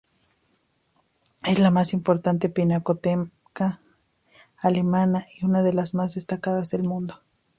Es la más importante pinacoteca alemana y una de las más destacadas del mundo.